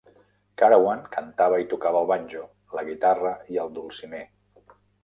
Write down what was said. Carawan cantava i tocava el banjo, la guitarra i el dulcimer.